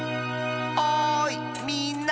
おいみんな！